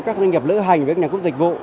các doanh nghiệp lữ hành với các nhà cung dịch vụ